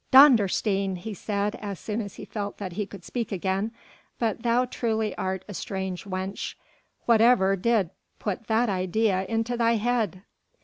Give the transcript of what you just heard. "Dondersteen!" he said as soon as he felt that he could speak again, "but thou truly art a strange wench. Whatever did put that idea into thy head?"